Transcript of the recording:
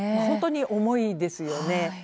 本当に重いですよね。